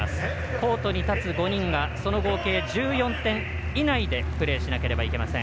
コートに立つ５人が合計１４点以内でプレーしないといけません。